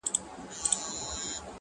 هيڅ هويت په يوازي ځان نسي جوړېدای